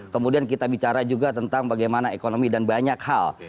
kemudian kita bicara juga tentang bagaimana ekonomi dan banyak hal